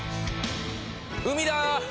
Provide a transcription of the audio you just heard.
海だ！